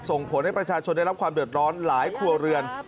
ส่งผลให้ประชาชนได้รับความเดือดร้อนหลายครัวเรือน